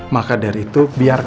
maka dari itu biarkan